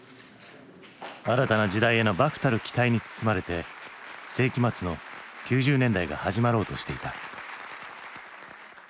新たな時代への漠たる期待に包まれて世紀末の９０年代が始まろうとしていた。